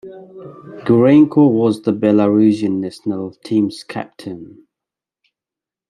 Gurenko was the Belarusian national team's captain.